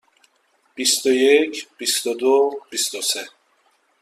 بیست و یک، بیست و دو، بیست و سه.